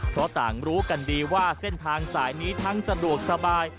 เพราะต่างรู้กันดีว่าเส้นทางสายนี้ทั้งสะดวกสบาย